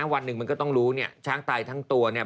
วันหนึ่งมันก็ต้องรู้เนี่ยช้างตายทั้งตัวเนี่ย